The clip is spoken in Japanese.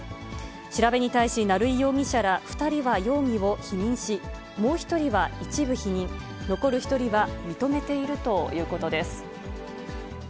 調べに対し、成井容疑者ら２人は容疑を否認し、もう１人は一部否認、残る１人は認めているということです。